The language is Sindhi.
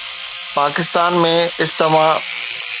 پاڪستان ۾ اسٿما